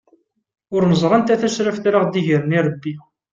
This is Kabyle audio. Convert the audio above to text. Ur neẓri anta tasraft ara aɣ-d-igren irebbi.